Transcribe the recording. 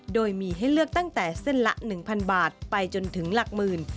โดยมีให้เลือกตั้งแต่เส้นละ๑๐๐บาทไปจนถึงหลักหมื่น